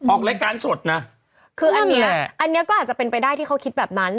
ออกรายการสดนะคืออันนี้นะอันนี้ก็อาจจะเป็นไปได้ที่เขาคิดแบบนั้น